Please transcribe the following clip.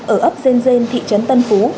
ở ấp dên dên thị trấn tân phú